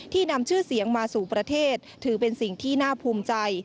นำชื่อเสียงมาสู่ประเทศถือเป็นสิ่งที่น่าภูมิใจ